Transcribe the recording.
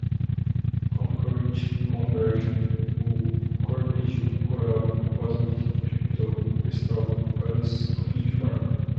concurrent, converge, cool, corvision, coral, cosmic, cryptol, crystal, cuis, cuneiform